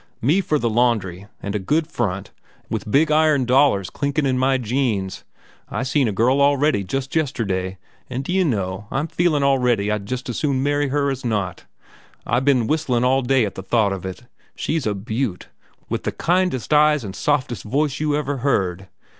Me for the laundry, and a good front, with big iron dollars clinkin' in my jeans. I seen a girl already, just yesterday, and, d'ye know, I'm feelin' already I'd just as soon marry her as not. I've ben whistlin' all day at the thought of it. She's a beaut, with the kindest eyes and softest voice you ever heard.